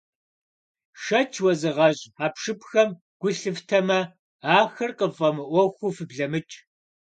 Шэч уэзыгъэщӀ хьэпшыпхэм гу лъыфтэмэ, ахэр къыффӀэмыӀуэхуу фыблэмыкӀ.